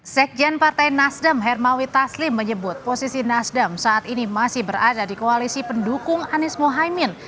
sekjen partai nasdem hermawi taslim menyebut posisi nasdem saat ini masih berada di koalisi pendukung anies mohaimin